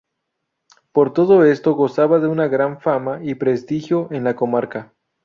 Por todo esto gozaba de una gran fama y prestigio en la comarca.